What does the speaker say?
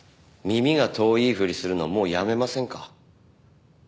耳が遠いふりするのもうやめませんか？